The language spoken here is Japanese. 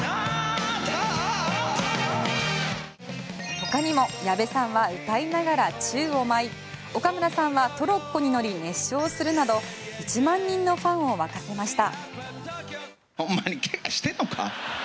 他にも矢部さんは歌いながら宙を舞い岡村さんはトロッコに乗り熱唱するなど１万人のファンを沸かせました。